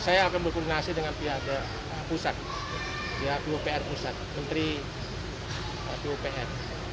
saya akan berkoordinasi dengan pihak pusat pupr pusat menteri pupr